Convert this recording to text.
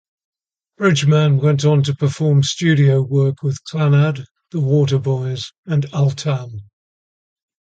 Bridgeman went on to perform studio work with Clannad, The Waterboys and Altan.